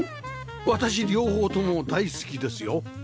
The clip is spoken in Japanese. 私両方とも大好きですよ